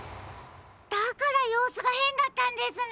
だからようすがへんだったんですね！